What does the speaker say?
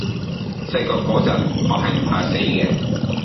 細個嗰陣，我係唔怕死嘅